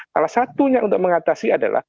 salah satunya untuk mengatasi adalah